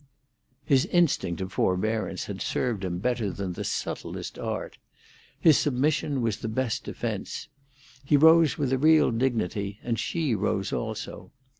His instinct of forbearance had served him better than the subtlest art. His submission was the best defence. He rose with a real dignity, and she rose also.